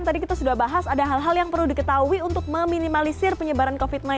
tadi kita sudah bahas ada hal hal yang perlu diketahui untuk meminimalisir penyebaran covid sembilan belas